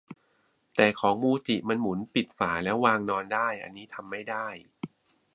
แต่ของมูจิมันหมุนปิดฝาแล้ววางนอนได้ อันนี้ทำไม่ได้